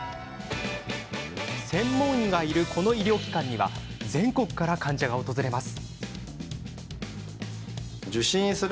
専門医がいる、この医療機関には全国から患者が訪れます。